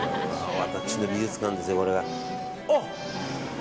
私の美術館です、これが。